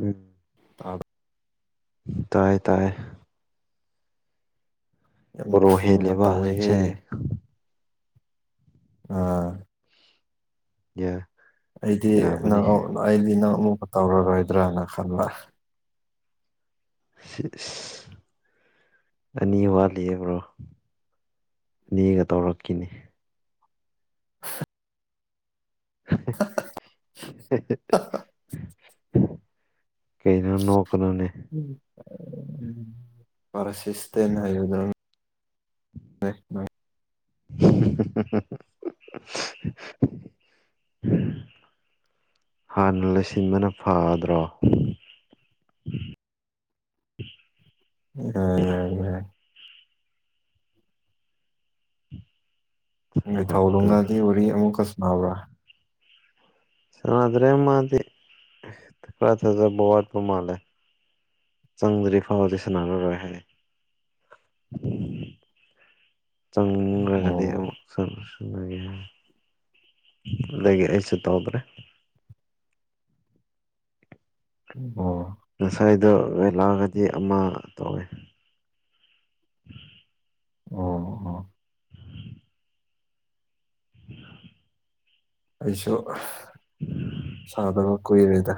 ꯎꯝ ꯑꯥ ꯇꯥꯏ ꯇꯥꯏ ꯌꯥꯝ ꯕꯣꯔꯣ ꯊꯨꯅ ꯍꯦꯜꯂꯤꯕ ꯍꯧꯖꯤꯛꯁꯦ ꯇꯧꯋꯦꯍꯦ ꯑꯥ ꯌꯥ ꯑꯩꯗꯤ ꯌꯥꯕꯅꯤ ꯅꯪ ꯑꯩꯗꯤ ꯅꯪ ꯑꯃꯨꯛꯀ ꯇꯧꯔꯔꯣꯏꯗ꯭ꯔꯅ ꯈꯟꯕ ꯁꯤꯁ ꯑꯅꯤ ꯋꯥꯠꯂꯤꯑꯕ꯭ꯔꯣ ꯑꯅꯤꯒ ꯇꯧꯔꯛꯈꯤꯅꯤ [inaudible] ꯀꯩꯩꯅꯣ ꯅꯣꯛ ꯀꯅꯨꯅꯦ ꯄꯔꯁꯤꯁꯇꯅ ꯌꯗ ꯍ [inaudible] ꯍꯥꯟꯅ ꯂꯩꯁꯤꯟꯕꯅ ꯐꯗ꯭ꯔꯣ ꯎ ꯅꯤꯊꯧ ꯊꯕꯛꯇꯣ ꯅꯨꯡꯒꯗꯤ ꯋꯥꯔꯤ ꯑꯃꯨꯛꯀꯁꯨꯟꯅꯕ꯭ꯔꯥ ꯁꯗ꯭ꯔꯦ ꯃꯥꯗꯤ ꯊ ꯊꯖꯦ ꯕ ꯋꯥꯠꯄ ꯃꯥꯂꯦ ꯆꯪꯗ꯭ꯔꯤ ꯐꯥꯎꯔꯗꯤ ꯁꯅꯥꯔꯔꯣꯏ ꯍꯥꯏ ꯆꯪꯉ꯭ꯔꯒꯗꯤ ꯑꯣ ꯑꯃꯨꯛ ꯁꯜꯂꯨꯔꯁꯤ ꯃꯦ ꯂꯩꯒꯦ ꯑꯩꯁꯨ ꯇꯧꯗ꯭ꯔꯦ ꯑꯣ ꯉꯁꯥꯏꯗꯣ ꯑꯣꯏꯜꯂꯛꯑꯒꯗꯤ ꯑꯃ ꯇꯧꯋꯦ ꯑꯣ ꯑꯣ ꯑꯩꯁꯨ ꯁꯥꯟꯅꯕ ꯀꯨꯏꯔꯦꯗ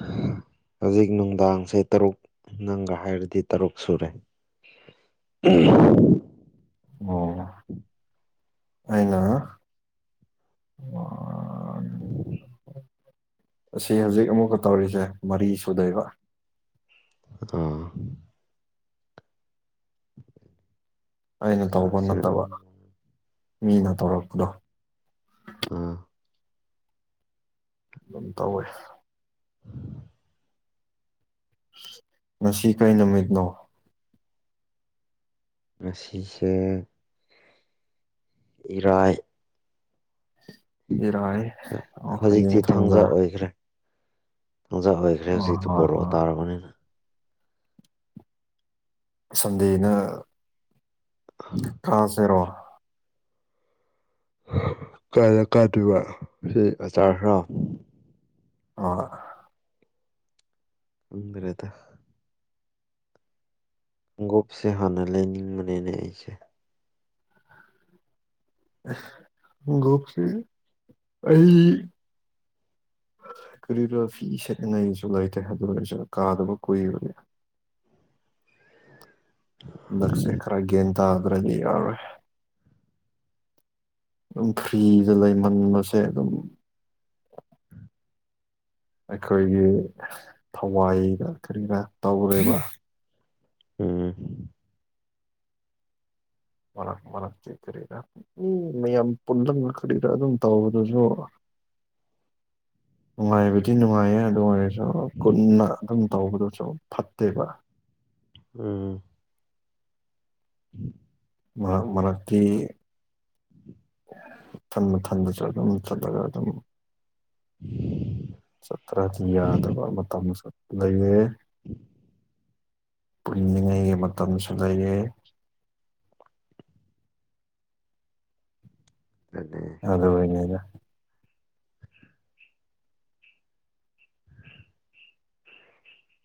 [inaudible] ꯍꯧꯖꯤꯛ ꯅꯨꯡꯗꯥꯡꯁꯦ ꯇꯔꯨꯛ ꯅꯪꯒ ꯍꯥꯏꯔꯗꯤ ꯇꯔꯨꯛ ꯁꯨꯔꯦ ꯎ ꯑꯣ ꯑꯅꯥ ꯎꯝ ꯑꯁꯤ ꯍꯧꯖꯤꯛ ꯑꯃꯨꯛꯀ ꯇꯧꯔꯤꯁꯦ ꯃꯔꯤ ꯁꯨꯗꯣꯏꯕ ꯑꯥ ꯑꯩꯅ ꯇꯧꯕ ꯂꯥꯁꯁꯦ ꯅꯠꯇꯕ ꯃꯤꯅ ꯇꯧꯔꯛꯄꯗꯣ ꯑꯥ ꯑꯗꯨꯝ ꯇꯧꯋꯦ ꯉꯁꯤ ꯀꯩ ꯅꯨꯃꯤꯠꯅꯣ ꯉꯁꯤꯁꯦ ꯏꯔꯥꯏ ꯏꯔꯥꯏ ꯑꯣ ꯍꯌꯦꯡ ꯍꯧꯖꯤꯛꯇꯤ ꯊꯥꯡꯖꯥ ꯊꯪꯖ ꯑꯣꯏꯈ꯭ꯔꯦ ꯖꯑꯣꯈ ꯑꯣ ꯍꯣꯏ ꯍꯧꯁꯤꯔꯑꯣ ꯍꯣꯏ ꯇꯥꯔꯥ ꯃꯅꯤꯅ ꯁꯟꯗꯅ ꯀꯥꯁꯦꯔꯣ ꯀꯂ ꯀꯥꯗꯣꯏꯕ ꯁꯤ ꯑꯆꯥꯔ ꯍꯔꯥꯎ ꯍꫭꯏ ꯎꯕꯤꯔꯦꯗ ꯒꯞꯁꯦ ꯍꯥꯟꯅ ꯂꯩꯅꯤꯡꯕꯅꯤꯅꯦ ꯑꯩꯁꯦ [unintelligible] ꯑꯩ ꯀꯔꯤꯕꯥ ꯐꯤ ꯁꯦꯠꯅ ꯑꯩꯁꯨ ꯂꯩꯇꯦ ꯑꯗꯨ ꯑꯣꯏꯔꯁꯨ ꯀꯥꯗꯕ ꯀꯨꯏꯕꯅꯦ ꯅꯛꯁꯦ ꯈꯔ ꯒꯦꯟꯗꯥꯗꯔꯗꯤ ꯌꯥꯔ ꯑꯗꯨꯝ ꯐ꯭ꯔꯤꯗ ꯂꯩꯃꯟꯕꯁꯦ ꯑꯗꯨꯝ ꯑꯩꯈꯣꯏꯒꯤ ꯊꯋꯥꯏꯗ ꯀꯔꯤꯅ ꯇꯧꯔꯦꯕ ꯎꯝ ꯋꯥ ꯃ ꯆ ꯀꯔꯤꯗ ꯎꯝ ꯃꯌꯥꯝ ꯄꯨꯜꯂ ꯀꯔꯤꯗ ꯑꯗꯨꯝ ꯇꯧꯕꯗꯨꯁꯨ ꯅꯨꯡꯉꯥꯏꯕꯗꯤ ꯅꯨꯡꯉꯥꯏꯌꯦ ꯑꯗꯨ ꯑꯣꯏꯔꯁꯨ ꯀꯨꯟꯅ ꯑꯗꯨꯝ ꯇꯧꯕꯗꯨꯁꯨ ꯐꯠꯇꯦꯕ ꯎꯝ [inaudible] ꯃꯥ ꯃꯥꯔꯛꯀꯤ ꯊꯟꯕ ꯊꯟꯕꯁꯨ ꯑꯗꯨꯝ ꯆꯠꯂꯒ ꯑꯗꯨꯝ [unintelligible] [inaudible] ꯆꯠꯇ꯭ꯔꯗꯤ ꯌꯥꯗꯕ ꯃꯇꯝ ꯂꯩꯌꯦ ꯄꯨꯂꯤꯉꯩꯒꯤ ꯃꯇꯝꯁꯨ ꯂꯩꯌꯦ ꯑꯗꯨꯅꯦ [unintelligible]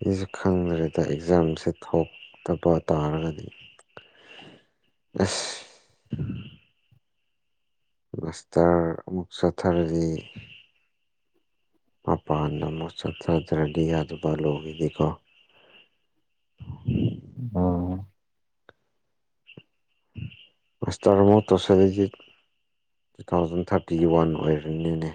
ꯑꯩꯁꯨ ꯈꯪꯗ꯭ꯔꯦꯗ ꯑꯦꯛꯖꯥꯝꯁꯦ ꯊꯣꯛꯇꯕ ꯇꯥꯔꯒꯗꯤ ꯑꯁ ꯃꯥꯁꯇꯔ ꯑꯃꯃꯨꯛ ꯆꯧꯊꯥꯔꯔꯤ ꯃꯄꯥꯟꯗ ꯑꯃꯨꯛ ꯆꯠꯊꯗ꯭ꯔꯗꯤ ꯑꯗꯨ ꯂꯣꯏꯈꯤꯗꯤꯀꯣ ꯑꯣ ꯃꯁ ꯇꯔ ꯃꯠꯇꯣꯁ ꯂꯩ ꯇꯨ ꯊꯥꯎꯖꯟ ꯊꯥꯔꯇꯤꯒꯤ ꯋꯥꯟ ꯑꯣꯏꯔꯕꯅꯤꯅꯦ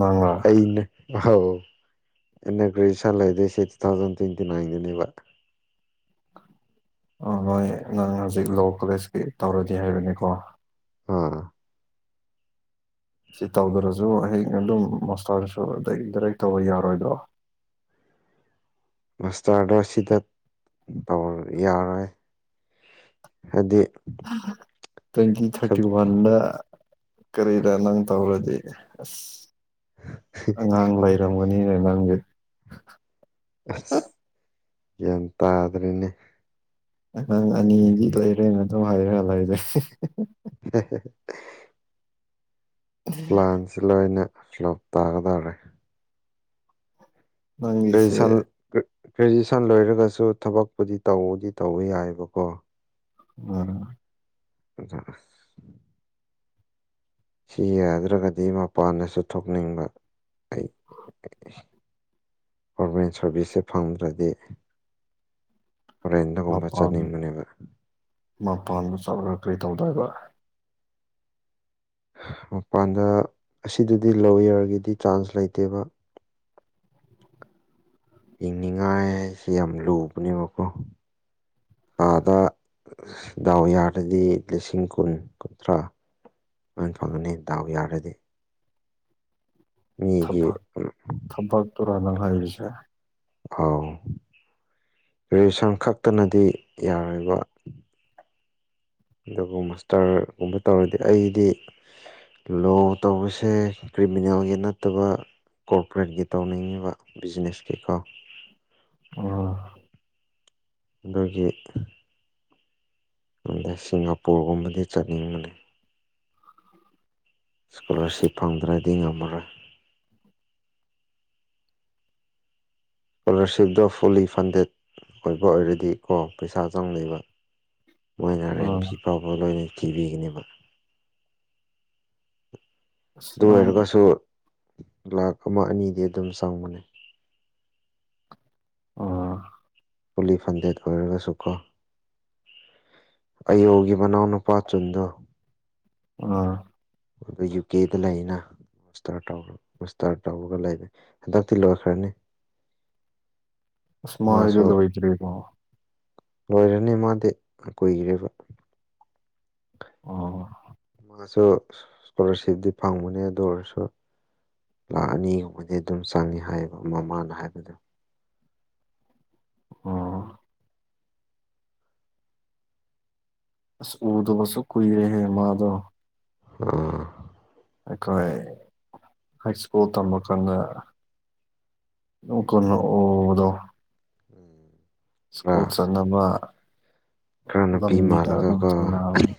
ꯅꯪꯔ ꯑꯩꯅ ꯑ ꯑꯩꯅ ꯒ꯭ꯔꯦꯖꯨꯌꯦꯁꯟ ꯂꯩꯗꯣꯏꯁꯦ ꯇꯨ ꯊꯥꯎꯖꯟ ꯇ꯭ꯋꯦꯟꯇꯤ ꯅꯥꯏꯟꯗꯅꯦꯕ ꯑ ꯅꯣꯏ ꯅꯪ ꯍꯧꯖꯤꯛ ꯂꯣ ꯀꯣꯂꯦꯖꯀꯤ ꯇꯧꯔꯗꯤ ꯍꯥꯏꯕꯅꯤꯀꯣ ꯑꯥ ꯁꯤ ꯇꯧꯗ꯭ꯔꯁꯨ ꯍꯌꯦꯡ ꯑꯗꯨꯝ ꯃꯣꯁꯇꯔꯁꯨ ꯑ ꯗꯥꯔꯦꯛ ꯇꯧꯕ ꯌꯥꯔꯣꯏꯗ꯭ꯔꯣ ꯃꯥꯁꯇꯔꯗꯣ ꯁꯤꯗ ꯇ ꯌꯥꯔꯣꯏ ꯍꯥꯏꯗꯤ ꯇ꯭ꯋꯦꯟꯇꯤ ꯊꯥꯔꯇꯤ ꯁꯕ ꯋꯥꯟꯗ ꯀꯔꯤꯗ ꯅꯪ ꯇꯧꯔꯗꯤ ꯑꯁ ꯑꯉꯥꯡ ꯂꯩꯔꯝꯒꯅꯤꯅ ꯅꯪꯁꯦ ꯑꯁ ꯒ꯭ꯌꯥꯟ ꯇꯥꯗ꯭ꯔꯦꯅꯦ ꯅꯉꯪ ꯑꯅꯤꯗꯤ ꯂꯩꯔꯦꯅ ꯑꯗꯨꯝ ꯍꯥꯏꯔꯦ ꯂꯩꯔꯦ [unintelligible] [inaudible] ꯄ꯭ꯂꯥꯟꯁꯤ ꯂꯣꯏꯅ ꯐ꯭ꯂꯣꯞ ꯇꯥꯒꯗꯧꯔꯦ ꯅꯪꯒꯤꯁꯦ ꯒ꯭ꯔꯦꯖꯨꯁꯟ ꯒ꯭ꯔꯦꯖꯨꯑꯌꯦꯁꯟ ꯂꯣꯏꯔꯒꯁꯨ ꯊꯕꯛꯄꯨꯗꯤ ꯇꯧꯗꯤ ꯇꯧꯕ ꯌꯥꯏꯑꯕꯀꯣ ꯎꯝ [unintelligible] [inaudible] ꯁꯤ ꯌꯥꯗ꯭ꯔꯒꯗꯤ ꯃꯄꯥꯟꯗꯁꯨ ꯊꯣꯛꯅꯤꯡꯕ ꯒꯣꯔꯃꯦꯟ ꯁꯥꯔꯚꯤꯁꯁꯦ ꯐꯪꯗ꯭ꯔꯗꯤ ꯍꯔꯦꯟ ꯇꯒꯨꯝꯕ ꯆꯠꯅꯤꯡ ꯃꯅꯦꯕ ꯃꯄꯗ ꯆꯠꯂꯒ ꯀꯔꯤ ꯇꯧꯗꫭꯏꯕ ꯃꯄꯥꯟꯗ ꯑꯁꯤꯗꯗꯤ ꯂꯣ ꯏꯌꯥꯔꯒꯤꯗꯤ ꯇꯔꯥꯟꯁ ꯂꯩꯇꯦꯕ ꯌꯦꯡꯅꯤꯡꯉꯥꯏꯁꯤ ꯌꯥꯝ ꯂꯨꯕꯅꯦꯕꯀꯣ ꯑꯥꯗ ꯗꯥꯎ ꯌꯥꯔꯗꯤ ꯂꯤꯁꯤꯡ ꯀꯨꯟ ꯀꯨꯟꯊ꯭ꯔꯥ ꯃ ꯐꯪꯂꯅꯤ ꯗꯎꯒꯤ ꯑꯔꯦꯗꯦ ꯊꯕꯛ ꯊꯕꯛ ꯇꯨꯔ ꯅꯪ ꯍꯏꯔꯤꯁꯦ ꯑꯥꯎ ꯔꯦꯁꯟ ꯈꯛꯇꯅꯗꯤ ꯌꯥꯔꯣꯏꯔꯤꯕ ꯑꯗꯨꯕꯨ ꯃꯁꯇꯔꯒꯨꯝꯕ ꯇꯧꯔꯗꯤ ꯑꯩꯗꯤ ꯂꯣ ꯇꯧꯕꯁꯦ ꯀ꯭ꯔꯤꯃꯤꯅꯦꯜꯒꯤ ꯅꯠꯇꯕ ꯀꯣꯔꯄꯔꯦꯠꯀꯤ ꯇꯧꯅꯤꯡꯉꯤꯕ ꯕꯤꯖꯤꯅꯦꯁꯀꯤꯀꯣ ꯑꯣ ꯑꯗꯒꯤ ꯑꯗ ꯁꯤꯡꯒꯥꯄꯨꯔꯒꯨꯝꯕꯗꯤ ꯆꯠꯅꯤꯡꯕꯅꯦ ꯏꯁ꯭ꯀꯣꯂꯥꯔꯁꯤꯞ ꯐꯪꯗ꯭ꯔꯗꯤ ꯉꯝꯃꯔꯣꯏ ꯏꯁꯀꯣꯂꯥꯔꯁꯤꯞꯇꯣ ꯐꯨꯜꯂꯤ ꯐꯟꯗꯦꯠ ꯑꯣꯏꯕ ꯑꯣꯏꯔꯗꯤꯀꯣ ꯄꯩꯁꯥ ꯆꯪꯅꯤꯕ ꯃꯣꯏꯅ ꯔꯦꯟꯐꯤ ꯑꯥ ꯐꯥꯎꯕ ꯂꯣꯏꯅ ꯊꯤꯕꯤꯒꯅꯦꯕ ꯑꯁ ꯑꯗꯨ ꯅꯪ ꯑꯣꯏꯔꯒꯁꯨ ꯂꯥꯛ ꯑꯃ ꯑꯅꯤꯗꯤ ꯑꯗꯨꯝ ꯆꯪꯕꯅꯤ ꯑꯣ ꯄꯨꯂꯤ ꯐꯟꯗꯦꯠ ꯑꯣꯏꯔꯒꯁꯨ ꯀꯣ ꯑꯌꯣꯒꯤ ꯃꯅꯥꯎꯅ ꯅꯨꯄꯥ ꯆꯨꯟꯗꯣ ꯑ ꯑ ꯌꯨꯀꯦꯗ ꯂꯩꯅ ꯃꯥꯁꯇꯥꯔ ꯇꯧꯔꯒ ꯂꯩꯔꯦꯍꯟꯗꯛꯇꯤ ꯂꯣꯏꯈ꯭ꯔꯅꯤ ꯎꯁꯃꯥ ꯃꯥꯁꯨ ꯂꯣꯢꯗꯔꯤꯕꯣ ꯂꯣꯏꯔꯅꯤ ꯃꯥꯗꯤ ꯀꯨꯏꯈ꯭ꯔꯦꯕ ꯑꯣ ꯃꯥꯁꯨ ꯏꯁꯀꯣꯂꯥꯔꯁꯤꯞꯇꯗꯤ ꯐꯪꯕꯅꯤ ꯑꯗꯨ ꯑꯣꯏꯔꯁꯨ ꯂꯥꯛ ꯑꯅꯤꯒꯨꯝꯕꯗꯤ ꯑꯗꯨꯝ ꯆꯪꯏ ꯍꯥꯏꯌꯦꯕ ꯃꯃꯥꯅ ꯍꯥꯏꯕꯗꯣ ꯑꯣ ꯑꯁ ꯎꯗꯕꯁꯨ ꯀꯨꯏꯔꯦ ꯍꯦ ꯃꯥꯗꯣ ꯎꯝ ꯑꯩꯈꯣꯏ ꯍꯥꯏ ꯁ꯭ꯀꯨꯜ ꯇꯝꯕ ꯀꯥꯟꯗ ꯑꯗꯨꯝꯀꯥꯟꯗ ꯎꯕꯗꯣ ꯈꯔ ꯁ꯭ꯀꯨꯜ ꯆꯠꯅꯕ ꯈꯔ ꯅꯨꯄꯤ ꯂꯝꯕꯤꯗ ꯑꯗꯨꯝ ꯃꯥꯜꯂꯒꯀꯣ ꯊꯦꯡꯅꯕꯅꯤ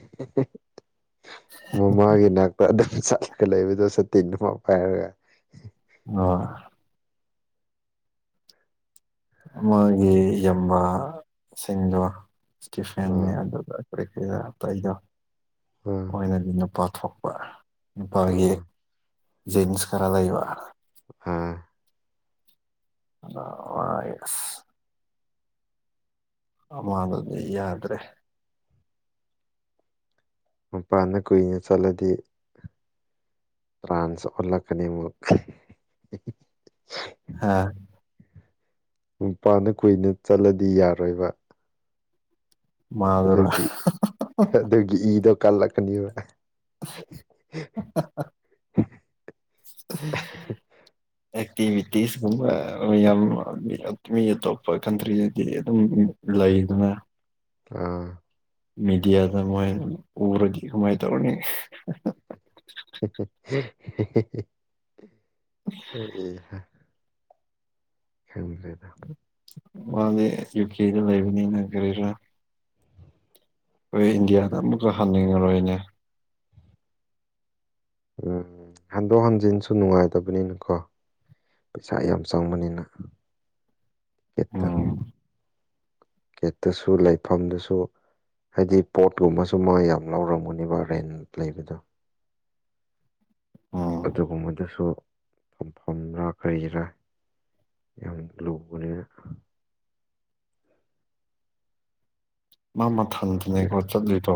ꯃꯃꯥꯒꯤ ꯅꯛ ꯑꯗꯨꯝ ꯆꯠꯂꯒ ꯂꯩꯕꯗꯣꯁꯨ ꯇꯤꯟꯗꯨ ꯑꯃ ꯄꯥꯏꯔꯒ ꯑꯣ ꯃꯥꯒꯤ ꯌꯝꯕ ꯁꯤꯡꯗꯣ ꯏꯁꯇꯤꯐꯦꯟꯅꯤ ꯑꯥ ꯑꯗꯨꯗ ꯀꯔꯤ ꯀꯗ ꯑꯥ ꯑꯇꯩꯗꯣꯅꯗꯨꯅ ꯅꯨꯄꯥꯊꯣꯛꯄ ꯅꯨꯄꯥꯒꯤ ꯑꯥ ꯖꯤꯟꯁ ꯈꯔ ꯂꯩꯩꯕ ꯑꯥ ꯑꯗ ꯑ ꯑꯃ ꯑꯗꯨꯗꯤ ꯌꯥꯗ꯭ꯔꯦ ꯃꯄꯥꯟꯗ ꯀꯨꯏꯅ ꯆꯠꯂꯗꯤ ꯇ꯭ꯔꯥꯟꯁ ꯑꯣꯜꯂꯛꯀꯅꯤ ꯑꯃꯨꯛ ꯍꯥꯥ ꯅꯨꯄꯥꯟꯗ ꯀꯨꯏꯅ ꯆꯠꯂꯗꯤ ꯌꯥꯔꯣꯏꯕ ꯃꯥꯗꯨꯅ ꯑꯗꯨꯒꯤ ꯑꯗꯨꯒꯤ ꯏꯗꯣ ꯀꯜꯂꯛꯀꯅꯤꯕ ꯎ [inaudible] ꯑꯦꯛꯇꯤꯚꯤꯇꯤꯁꯀꯨꯝꯕ ꯌꯥꯝ ꯃꯤ ꯑꯇꯣꯞꯄ ꯀꯟꯇ꯭ꯔꯤꯗꯗꯤ ꯑꯗꯨꯝ ꯂꯩꯗꯨꯅ ꯑꯥ ꯃꯗꯤꯌꯥꯗ ꯎꯔ ꯃꯥ ꯇꯧꯅꯤꯤ [inaudible] ꯎ ꯑꯦ ꯑꯦ ꯈꯂꯗ ꯃꯥꯦ ꯌꯨꯀꯦꯗ ꯂꯩꯕꯅꯤꯅ ꯀꯔꯤꯔꯥ ꯑꯩꯈꯣꯏ ꯏꯟꯗꯤꯌꯥꯗ ꯑꯃꯨꯛꯀ ꯍꯟꯅꯤꯡꯉꯔꯣꯏꯅꯦ ꯎꯝ ꯍꯟꯗꯣꯛ ꯍꯟꯖꯤꯟꯁꯨ ꯅꯨꯡꯉꯥꯏꯇꯕꯅꯤꯅꯀꯣ ꯄꯩꯁꯥ ꯌꯥꯝ ꯆꯪꯕꯅꯤꯅ ꯌꯦꯠꯇ ꯎꯝ ꯀꯦꯛꯇꯁꯨ ꯂꯩꯐꯝꯗꯁꯨ ꯍꯥꯏꯗꯤ ꯄꯣꯠꯀꯨꯝꯕꯁꯨ ꯃꯥ ꯌꯥꯝ ꯂꯧꯔꯝꯒꯨꯅꯦꯕ ꯔꯦꯟ ꯂꯩꯕꯗꯣ ꯎꯝ ꯑꯗꯨꯒꯨꯝꯕꯗꯨꯁꯨ ꯐꯝꯐꯝꯔꯥ ꯀꯔꯤꯔꯥ ꯌꯥꯝ ꯂꯨꯕꯅ ꯃꯥ ꯃꯊꯜ ꯑꯗꯩꯀꯣ ꯆꯠꯂꯤꯨꯗꯣ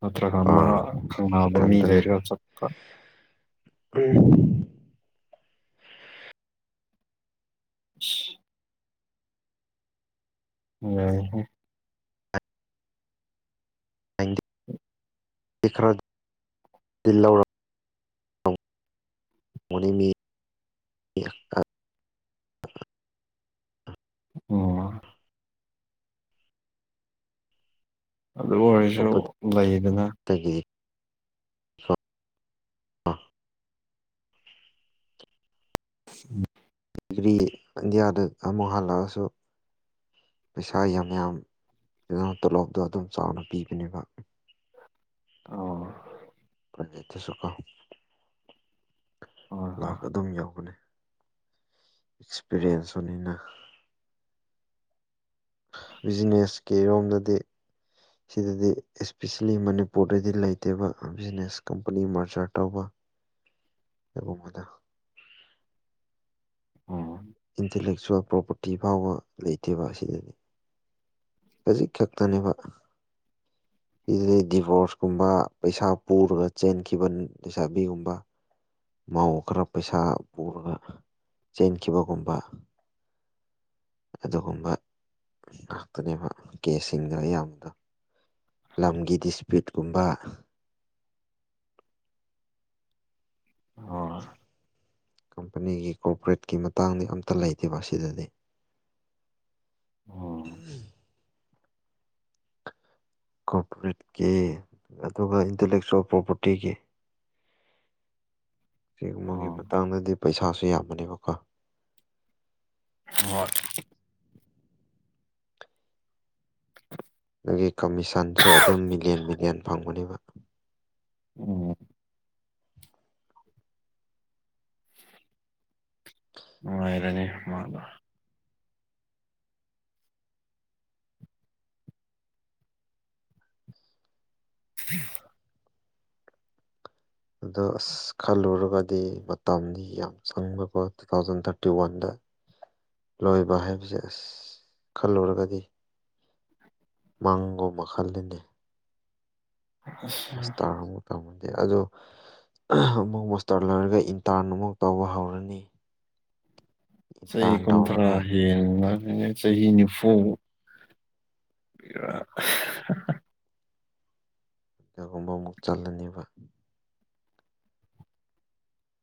ꯅꯠꯇ꯭ꯔꯒ ꯃꯥ ꯑꯥ ꯀꯪꯂꯕ ꯃꯤ ꯃꯊꯟꯇꯅꯦ ꯂꯩꯔꯒ ꯆꯠꯄ ꯎꯝ ꯎ ꯑꯣ ꯈꯔꯥꯖꯤꯜꯂꯥꯎꯔ ꯃꯅꯤꯃꯤ ꯎ ꯑꯣ ꯑꯗꯨ ꯑꯣꯏꯔꯁꯨ ꯂꯩꯗꯅ ꯇꯗꯒꯤꯦ ꯎꯝ ꯗꯤꯒ꯭ꯔꯤ ꯏꯟꯗꯤꯌꯥꯗ ꯑꯃꯨꯛ ꯍꯜꯂꯛꯑꯁꯨ ꯄꯩꯁꯥ ꯌꯥꯝ ꯌꯥꯝ ꯀꯩꯅ ꯇꯣꯂꯣꯞꯗꯣ ꯑꯗꯨꯝ ꯆꯥꯎꯅ ꯄꯤꯕꯅꯦꯕ ꯑꯣ ꯐꯦ ꯊꯁꯨ ꯀꯣ ꯍꯣꯏ ꯂꯥꯛ ꯑꯗꯨꯝ ꯌꯒꯅꯤ ꯑꯦꯛꯁꯄꯤꯔꯤꯌꯦꯟꯁ ꯑꯣꯏꯅꯤꯅ ꯕꯤꯖꯤꯅꯦꯁꯀꯤꯔꯣꯝꯗꯗꯤ ꯁꯤꯗꯗꯤ ꯑꯦꯄꯤꯁꯦꯜꯂꯤ ꯃꯅꯤꯄꯨꯔꯗꯗꯤ ꯂꯩꯇꯦꯕ ꯕꯤꯖꯤꯅꯦꯁ ꯀꯝꯄꯅꯤ ꯃꯥꯔꯆꯥꯔ ꯇꯧꯕ ꯑꯦ ꯃꯗ ꯎꯝ ꯏꯟꯇꯂꯦꯛꯆꯨꯋꯦꯜ ꯄ꯭ꯔꯣꯄꯔꯇꯤ ꯐꯥꯎꯕ ꯂꯩꯇꯦꯕ ꯑꯁꯤꯗꯅꯤ ꯈꯖꯤꯛ ꯈꯛꯇꯅꯦꯕ ꯑꯗꯨꯗꯩ ꯗꯤꯚꯣꯔꯁꯀꯨꯝꯕ ꯄꯩꯁꯥ ꯄꯨꯔꯒ ꯆꯦꯟꯈꯤꯕ ꯂꯩꯁꯥꯕꯤꯒꯨꯝꯕ ꯃꯥꯎ ꯈꯔ ꯄꯩꯁꯥ ꯄꯨꯔꯒ ꯆꯦꯟꯈꯤꯕꯒꯨꯝꯕ ꯑꯗꯨꯒꯨꯝꯕ ꯉꯥꯛꯇꯅꯦꯕ ꯀꯦꯁꯁꯤꯡꯗꯣ ꯑꯌꯥꯝꯕꯗꯣ ꯂꯝꯒꯤ ꯗꯤꯁꯄ꯭ꯌꯨꯠꯀꯨꯝꯕ ꯑꯣ ꯀꯝꯄꯅꯤꯒꯤ ꯀꯣꯔꯄꯔꯦꯠꯀꯤ ꯃꯇꯥꯡꯗꯤ ꯑꯝꯇ ꯂꯩꯇꯦꯕ ꯑꯁꯤꯗꯗꯤ ꯎꯝ ꯀꯣꯔꯄꯣꯔꯦꯠꯀꯤ ꯑꯗꯨꯒ ꯏꯟꯇꯂꯦꯛꯆꯨꯦꯜ ꯄ꯭ꯔꯣꯄꯔꯇꯤꯒꯤ ꯁꯤꯒꯨꯝꯕꯒꯤ ꯎꯝ ꯃꯇꯥꯡꯗꯗꯤ ꯄꯩꯁꯥꯁꯨ ꯌꯥꯝꯕꯅꯦꯕꯀꯣ ꯍꯣꯏ ꯑꯗꯨꯒꯤ ꯀꯃꯤꯁꯟꯁꯨ ꯑꯗꯨꯝ ꯃꯤꯂꯤꯌꯟ ꯃꯤꯂꯤꯌꯟ ꯐꯪꯒꯅꯦꯕ ꯎꯝ ꯋꯥꯔꯅꯤ ꯃꯥꯗ ꯑꯗꯣ ꯑꯁ ꯈꯜꯂꯨꯔꯒꯗꯤ ꯃꯇꯝꯗꯤ ꯌꯥꯝ ꯆꯪꯕꯀꯣ ꯇꯨ ꯊꯥꯎꯖꯟ ꯊꯥꯔꯇꯤ ꯋꯥꯟꯗ ꯂꯣꯏꯕ ꯍꯥꯏꯕꯁꯦ ꯑꯁ ꯈꯜꯂꯨꯔꯒꯗꯤ ꯃꯥꯡꯒꯣ ꯃꯈꯜꯗꯅꯦ ꯑꯁ ꯇꯥꯔꯕ ꯇꯝꯃꯗꯦ ꯑꯗꯣ ꯑꯃꯨꯛ ꯃꯣꯁꯇꯔ ꯂꯣꯏꯔꯒ ꯏꯟꯇꯥꯔꯟ ꯑꯃꯨꯛ ꯇꯧꯕ ꯍꯧꯔꯅꯤ ꯆꯩ ꯏꯟꯇꯔꯟ ꯀꯨꯟꯗ꯭ꯔꯥ ꯇꯧꯔꯒ ꯍꯦꯡꯕ ꯆꯍꯤ ꯅꯤꯐꯨꯔꯥ ꯀꯒꯨꯝꯕ ꯑꯃꯨꯛ ꯆꯜꯂꯅꯦꯕ